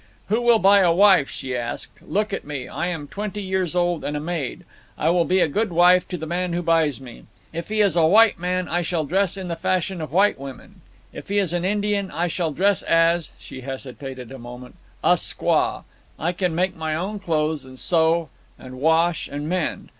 "Who will buy a wife?" she asked. "Look at me. I am twenty years old and a maid. I will be a good wife to the man who buys me. If he is a white man, I shall dress in the fashion of white women; if he is an Indian, I shall dress as"—she hesitated a moment—"a squaw. I can make my own clothes, and sew, and wash, and mend.